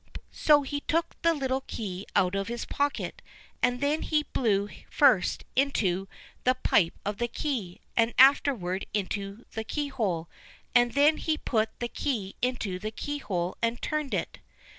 So he took the little key out of his pocket, and then he blew first into the pipe of the key, and afterward into the keyhole, and then he put the key into the keyhole and turned it.